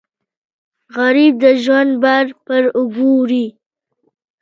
غریب د ژوند بار پر اوږو وړي